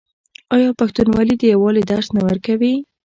آیا پښتونولي د یووالي درس نه ورکوي؟